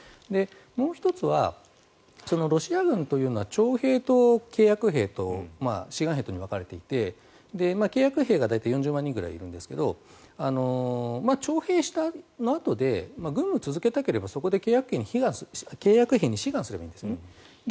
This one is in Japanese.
もう１つは、ロシア軍というのは徴兵と契約兵と志願兵とに分かれていて契約兵が大体４０万人ぐらいいるんですけど徴兵したあとで軍務を続けたければそこで契約兵に志願すればいいんですね。